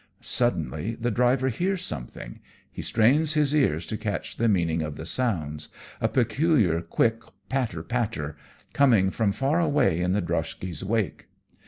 Suddenly the driver hears something he strains his ears to catch the meaning of the sounds a peculiar, quick patter, patter coming from far away in the droshky's wake.